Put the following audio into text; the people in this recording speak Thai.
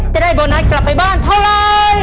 จะได้โบนัสกลับไปบ้านเท่าไร